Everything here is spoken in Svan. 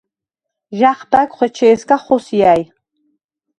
ჟა̈ხბა̈გვხ ეჩე̄სგა ხოსია̈ჲ.